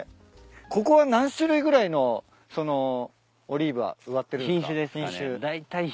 ここは何種類ぐらいのオリーブが植わってるんすか？